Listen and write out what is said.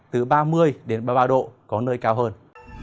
từ ba mươi đến ba mươi ba độ có nơi cao hơn